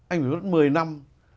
anh phải mất một mươi năm